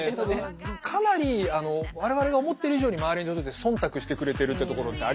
かなり我々が思ってる以上に周りの人って忖度してくれてるってところってありますよね。